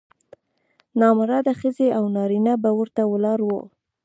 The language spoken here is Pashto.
نامراده ښځې او نارینه به ورته ولاړ وو.